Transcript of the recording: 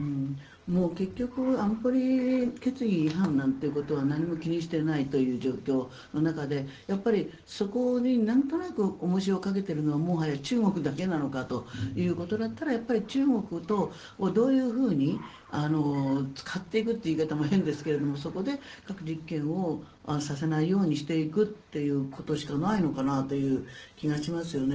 結局安保理決議違反なんてことは何も気にしていないという状況の中でそこになんとなく重石をかけているのはもはや中国だけなのかということだったらやっぱり中国とどういうふうに使っていくという言い方も変ですけどそこで核実験をさせないようにしていくということしかないのかなという気がしますよね。